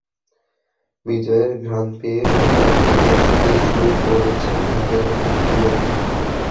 বিজয়ের ঘ্রাণ পেয়ে ঢাকার দিকে আসতে শুরু করেছেন ঝাঁকে ঝাঁকে মুক্তিযোদ্ধা।